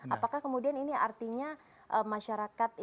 apakah kemudian ini artinya masyarakat